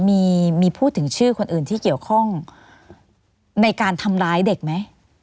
มีพูดถึงชื่อคนอื่นที่เกี่ยวข้องในการทำร้ายเด็กไหม